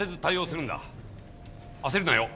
焦るなよ。